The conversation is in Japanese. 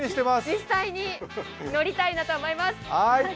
実際に乗りたいなと思います。